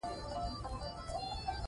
ته داسې سوچ وکړه